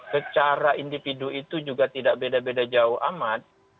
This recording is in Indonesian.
secara individu itu juga tidak beda beda jauh amat